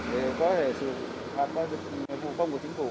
để có thể xử phạt qua dịch vụ công của chính phủ